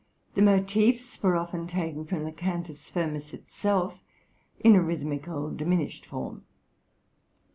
The motifs were often taken from the Cantus firmus itself, in a rhythmical, diminished form.